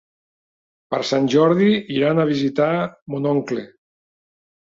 Per Sant Jordi iran a visitar mon oncle.